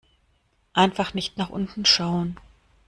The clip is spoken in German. Einfach nicht nach unten schauen.